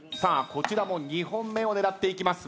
こちらも２本目を狙っていきます